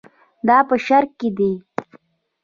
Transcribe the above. دا په شرق کې دي.